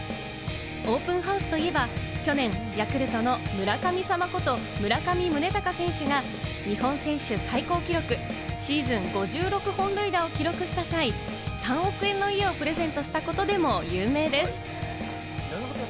オープンハウスといえば、去年、ヤクルトの村神様こと村上宗隆選手が日本選手最高記録、シーズン５６本塁打を記録した際、３億円の家をプレゼントしたことでも有名です。